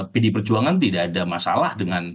pdi perjuangan tidak ada masalah dengan